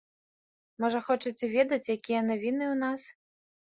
Можа, хочаце ведаць, якія навіны ў нас?